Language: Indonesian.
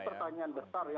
ini pertanyaan besar